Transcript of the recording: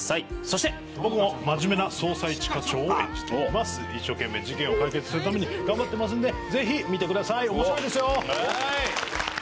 そして僕も真面目な捜査一課長を演じています一生懸命事件を解決するために頑張ってますんでぜひ見てください面白いですよ